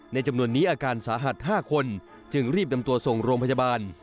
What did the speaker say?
จำนวนนี้อาการสาหัส๕คนจึงรีบนำตัวส่งโรงพยาบาล